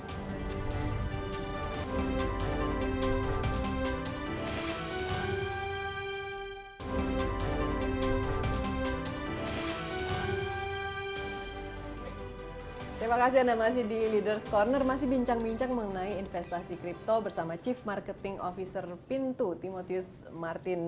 terima kasih anda masih di leaders' corner masih bincang bincang mengenai investasi kripto bersama chief marketing officer pintu timotius martin